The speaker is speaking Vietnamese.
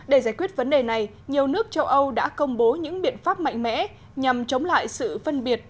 để giải quyết vấn đề này nhiều nước châu âu đã công bố những biện pháp mạnh mẽ nhằm chống lại sự phân biệt